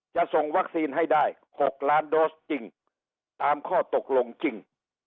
จะส่งวัคซีนให้ได้๖ล้านโดสจริงตามข้อตกลงจริง